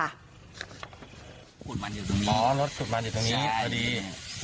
ขุดมันอยู่ตรงนี้อ๋อรถขุดมันอยู่ตรงนี้พอดี